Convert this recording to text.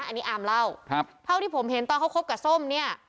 อันนี้อาร์มเล่าเท่าที่ผมเห็นตอนเขาคบกับส้มเนี่ย